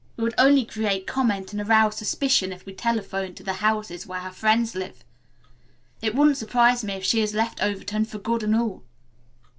We would only create comment and arouse suspicion if we telephone to the houses where her friends live. It wouldn't surprise me if she had left Overton for good and all."